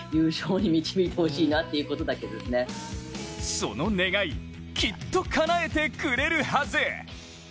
その願い、きっとかなえてくれるはず！